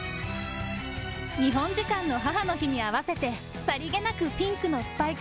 日本時間の母の日に合わせて、さりげなくピンクのスパイク